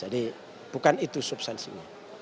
jadi bukan itu substansinya